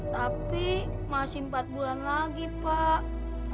tapi masih empat bulan lagi pak